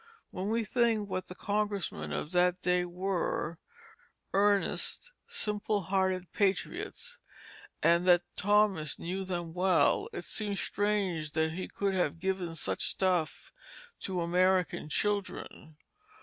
When we think what the Congressmen of that day were, earnest, simple hearted patriots, and that Thomas knew them well, it seems strange that he could have given such stuff to American children.